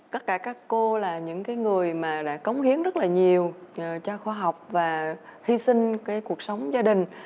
tất cả các cô là những người mà đã cống hiến rất là nhiều cho khoa học và hy sinh cái cuộc sống gia đình